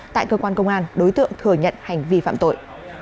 tại cơ quan công an đối tượng thừa nhận hành vi phạm tội